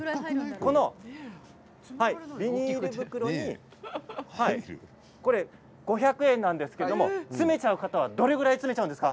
このビニール袋に５００円なんですけれど詰めちゃう方はどれぐらい詰めますか？